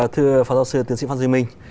thưa phó giáo sư tiến sĩ phát duy minh